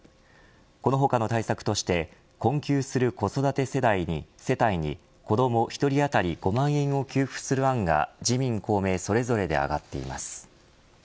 この他の対策として困窮する子育て世帯に子ども１人当たり５万円を給付する案が自民、公明それぞれで上がっています。